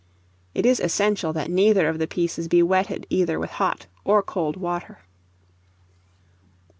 It is essential that neither of the pieces be wetted either with hot or cold water.